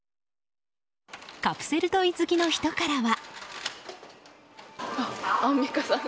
カプセルトイ好きの人からは。